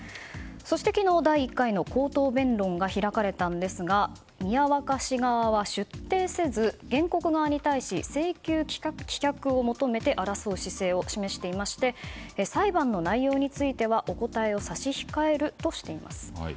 そして、昨日第１回の口頭弁論が開かれたんですが宮若市川は出廷せず原告側に対し請求棄却を求めて争う姿勢を示していまして裁判の内容についてはお答えを差し控えるとしています。